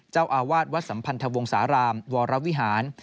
เจ้าอาวาสวัดสัมพันธวงศาลามวรวิหาร